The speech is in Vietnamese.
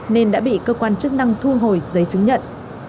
nên đã bị cơ quan chức năng thu hồi giấy chứng nhận